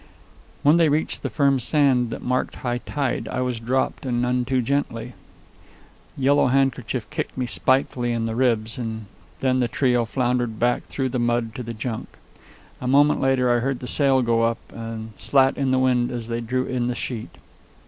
When they reached the firm sand that marked high tide, I was dropped, and none too gently. Yellow Handkerchief kicked me spitefully in the ribs, and then the trio floundered back through the mud to the junk. A moment later I heard the sail go up and slat in the wind as they drew in the sheet.